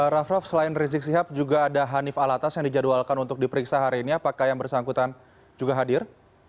raff raff selain rizik sihab juga ada hanif alatas yang dijadwalkan untuk diperiksa hari ini apakah yang bersangkutan juga hadir